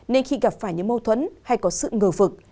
nên khi gặp phải những mâu thuẫn hay có sự ngờ vực